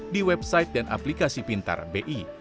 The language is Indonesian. di website dan aplikasi pintar bi